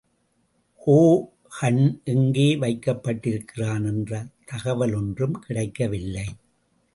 Hogan எங்கே வைக்கப்பட்டிருக்கிறான் என்ற தகவலொன்றும் கிடைக்கவில்லை.